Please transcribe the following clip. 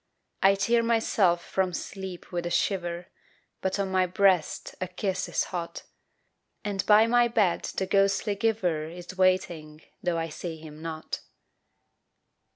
I tear myself from sleep with a shiver But on my breast a kiss is hot, And by my bed the ghostly giver Is waiting tho' I see him not.